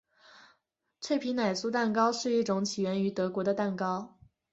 脆皮奶酥蛋糕是一种起源于德国的蛋糕。